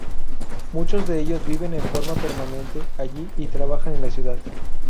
Muchos de ellos viven en forma permanente allí y trabajan en la ciudad.